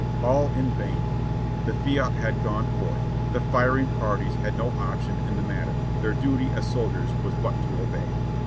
All in vain ! the fiat had gone forth ! the firing parties had no option in the matter, their duty as soldiers was but to obey.